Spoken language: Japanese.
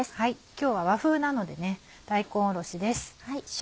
今日は和風なので大根おろしです。